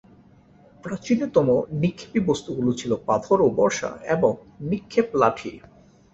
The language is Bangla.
প্রাচীনতম নিক্ষেপী বস্তুগুলি ছিল পাথর ও বর্শা, এবং নিক্ষেপ লাঠি।